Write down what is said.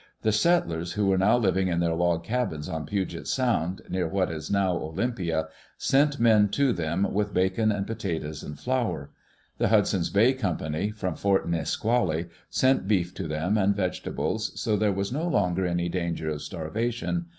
The settlers who were living in their log cabins on Puget Sound, near what is now Olym pia, sent men to them with bacon and potatoes and flour. The Hudson's Bay Company, from Fort Nisqually, sent beef to them and vegetables, so there was no longer any danger of starvation.